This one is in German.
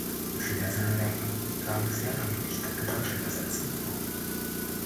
Viele seiner Werke lagen sehr lange nicht in deutscher Übersetzung vor.